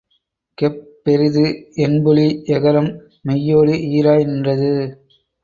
கெப் பெரிது என்புழி எகரம் மெய்யோடு ஈறாய் நின்றது.